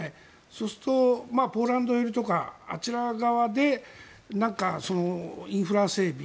そうするとポーランド寄りとかあちら側で、なんかインフラ整備